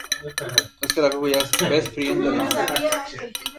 En las milicias de Costa Rica alcanzó el grado de coronel.